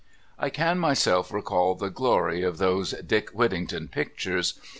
I can myself recall the glory of those "Dick Whittington" pictures.